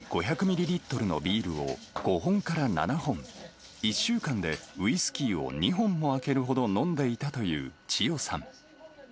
以前は毎日５００ミリリットルのビールを、５本から７本、１週間でウイスキーを２本も空けるほど飲んでいたというチヨさん。